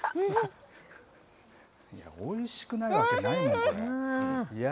おいしくないわけないんだよ。